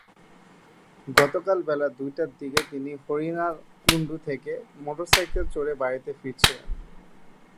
গতকাল বেলা দুইটার দিকে তিনি হরিণাকুণ্ডু থেকে মোটরসাইকেলে চড়ে বাড়িতে ফিরছিলেন।